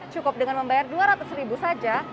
cukup dengan membayar dua ratus ribu saja